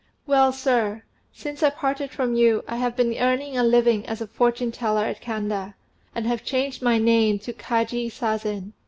"Well, sir, since I parted from you I have been earning a living as a fortune teller at Kanda, and have changed my name to Kaji Sazen.